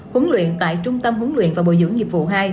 huấn luyện tại trung tâm huấn luyện và bồi dưỡng nghiệp vụ hai